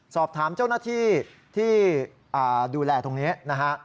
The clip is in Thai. สอบถามเจ้าหน้าที่ที่ดูแลตรงนี้นะฮะ